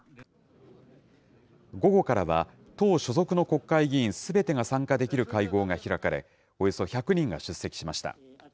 午後からは、党所属の国会議員すべてが参加できる会合が開かれ、およそ１００人が出席しました。